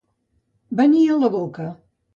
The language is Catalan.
Venir a la boca.